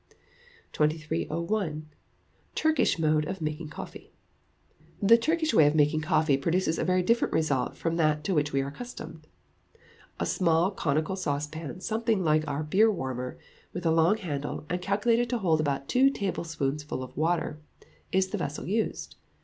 2301. Turkish Mode of Making Coffee. The Turkish way of making coffee produces a very different result from that to which we are accustomed. A small conical saucepan something like our beer warmer, with a long handle, and calculated to hold about two tablespoonfuls of water, is the vessel used.